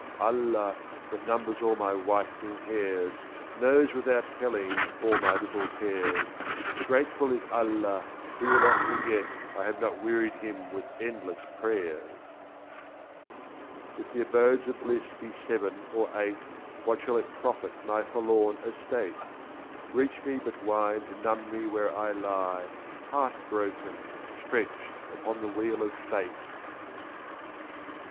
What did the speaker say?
Allah, that numbers all my whitening hairs. Knows, without telling, all my little cares ; 2i3 . Grateful is Allah, he will not forget I have not wearied Him with endless prayers. If the abodes of bliss be seven or eight. What shall it profit my forlorn estate? 2/^. Reach me but wine to numb me where I lie Heart broken, stretched upon the wheel of Fate.